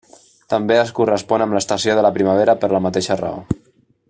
També es correspon amb l'estació de la primavera per la mateixa raó.